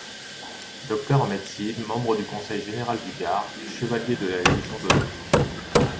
Docteur en médecine, membre du conseil général du Gard, Chevalier de la Légion d'honneur.